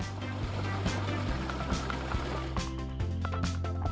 jangan lupa like share dan subscribe